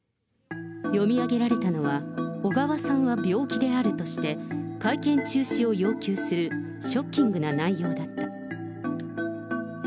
読み上げられたのは、小川さんは病気であるとして、会見中止を要求するショッキングな内容だった。